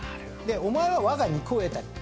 お前は我が肉を得たり。